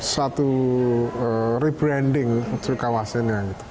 satu rebranding ke kawasannya